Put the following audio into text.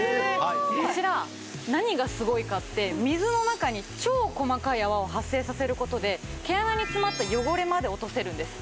こちら何がすごいかって水の中に超細かい泡を発生させることで毛穴に詰まった汚れまで落とせるんです。